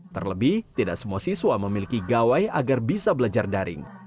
terlebih tidak semua siswa memiliki gawai agar bisa belajar daring